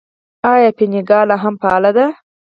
آیا فینکا لا هم فعاله ده؟